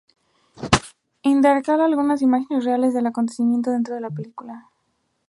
Intercala algunas imágenes reales del acontecimiento dentro de la película.